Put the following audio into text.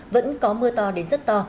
vẫn có mưa to đến rất to